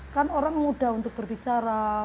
kan orang muda untuk berbicara